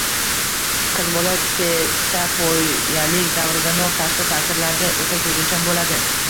Qiz bola tetapoyalik davrdanoq tashqi ta’sirlarga o‘ta sezuvchan bo‘ladi.